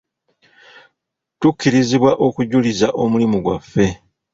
Tukubirizibwa okujuliza omulimu gwaffe.